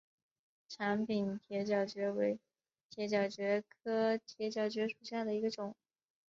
长柄铁角蕨为铁角蕨科铁角蕨属下的一个种。